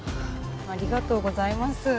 ありがとうございます